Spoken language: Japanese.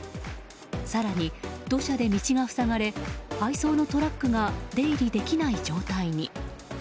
更に土砂で道が塞がれ配送のトラックが出入りできない状態に。